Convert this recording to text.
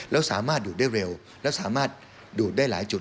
แล้วสามารถดูดได้เร็วแล้วสามารถดูดได้หลายจุด